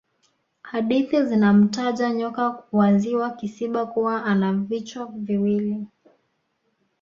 hadithi zinamtaja nyoka wa ziwa kisiba kuwa ana vichwa viwili